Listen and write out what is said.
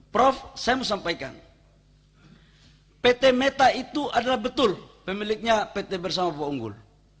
prof saya mau sampaikan pt meta itu adalah betul pemiliknya pt bersama punggul